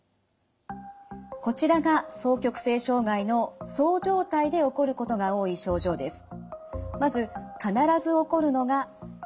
こちらが双極性障害のそう状態で起こることが多い症状です。